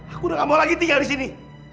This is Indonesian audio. aku udah gak mau lagi tinggal disini